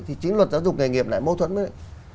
thì chính luật giáo dục nghề nghiệp lại mâu thuẫn với